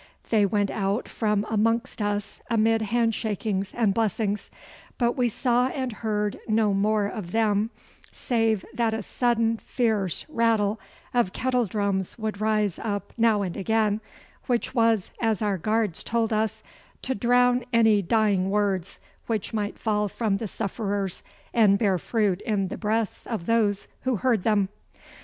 They went out from amongst us amid hand shakings and blessings, but we saw and heard no more of them, save that a sudden fierce rattle of kettledrums would rise up now and again, which was, as our guards told us, to drown any dying words which might fall from the sufferers and bear fruit in the breasts of those who heard them.